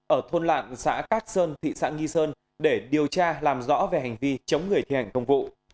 ở thôn lạn xã cát sơn thị xã nghi sơn để điều tra làm rõ về hành vi chống người thi hành công vụ